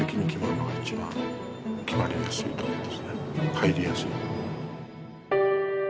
入りやすい。